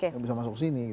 yang bisa masuk ke sini